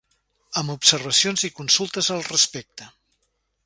Amb observacions i consultes al respecte.